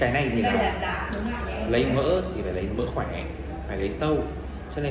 cái này thì lấy mỡ thì phải lấy mỡ khỏe phải lấy sâu